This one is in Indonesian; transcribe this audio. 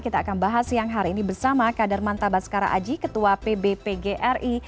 kita akan bahas siang hari ini bersama kadermanta baskara aji ketua pbpgri